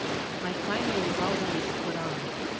My finery was all ready to put on.